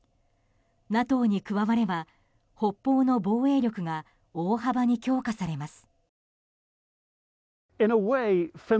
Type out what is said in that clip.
ＮＡＴＯに加われば北方の防衛力が大幅に強化されます。